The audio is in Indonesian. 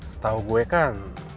setau gue kan